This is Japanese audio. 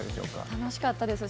楽しかったです。